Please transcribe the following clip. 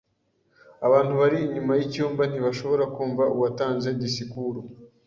Abantu bari inyuma yicyumba ntibashobora kumva uwatanze disikuru.